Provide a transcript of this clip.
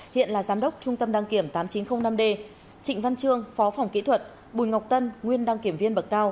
hiện là giám đốc trung tâm đăng kiểm tám nghìn chín trăm linh năm d trịnh văn trương phó phòng kỹ thuật bùi ngọc tân nguyên đăng kiểm viên bậc cao